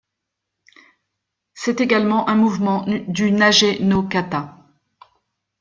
C'est également un mouvement du Nage-no-kata.